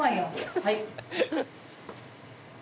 はい。